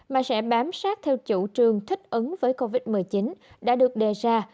mà sẽ bám sát theo chủ trương thích ứng với covid một mươi chín đã được đề ra